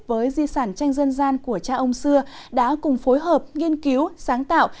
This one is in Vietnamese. với di sản tranh dân gian của cha ông xưa đã cùng phối hợp nghiên cứu sáng tạo